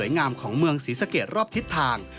ที่สวยงามของเมืองศรีสเกตรรอบทิศทาง